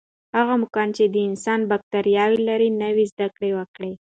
هغه موږکان چې د انسان بکتریاوې لري، نوې زده کړې وکړې.